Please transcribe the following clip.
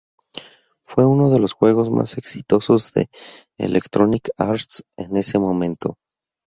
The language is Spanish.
Fue uno de los juegos más exitosos de Electronic Arts en ese momento